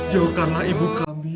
jauhkanlah ibu kami